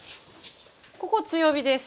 ここ強火です。